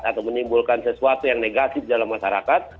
atau menimbulkan sesuatu yang negatif dalam masyarakat